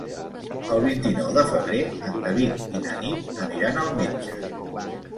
El vint-i-nou de febrer en David i na Nit aniran al metge.